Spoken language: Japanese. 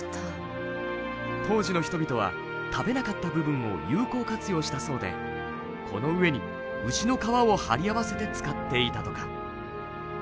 当時の人々は食べなかった部分を有効活用したそうでこの上に牛の皮をはり合わせて使っていたとか。